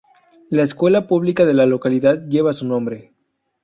La escuela pública de la localidad lleva su nombre.